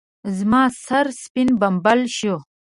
زما سر سپين بمبل شو.